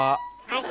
はい。